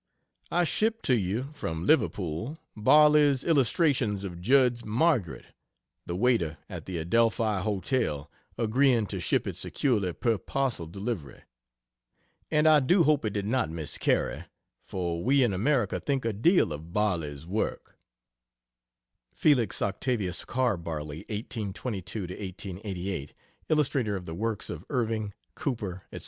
I shipped to you, from Liverpool, Barley's Illustrations of Judd's "Margaret" (the waiter at the Adelphi Hotel agreeing to ship it securely per parcel delivery,) and I do hope it did not miscarry, for we in America think a deal of Barley's [Felix Octavius Carr barley, 1822 1888, illustrator of the works of Irving, Cooper, etc.